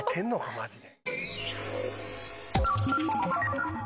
マジで。